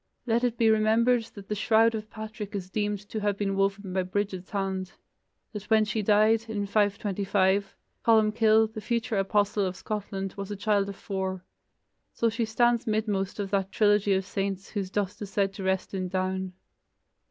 Let it be remembered that the shroud of Patrick is deemed to have been woven by Brigid's hand; that when she died, in 525, Columcille, the future apostle of Scotland, was a child of four. So she stands midmost of that trilogy of saints whose dust is said to rest in Down.